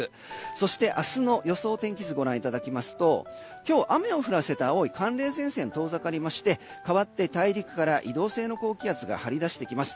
そして、明日の予想天気図をご覧いただきますと今日、雨を降らせた青い寒冷前線は遠ざかりましてかわって大陸から移動性の高気圧が張り出してきます。